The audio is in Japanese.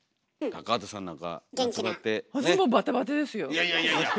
いやいやいやいや！